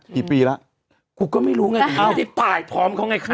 กี่ปีแล้วกูก็ไม่รู้ไงเขาไม่ได้ตายพร้อมเขาไงคะ